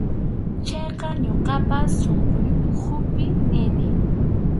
Chayqa ñuqapas sunquy ukhupi nini.